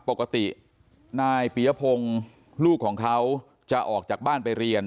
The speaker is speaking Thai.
ปกตินายปียพงศ์ลูกของเขาจะออกจากบ้านไปเรียน